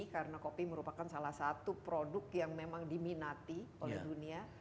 karena kopi merupakan salah satu produk yang memang diminati oleh dunia